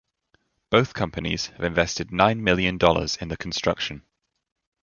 Both companies have invested nine million dollars in the construction.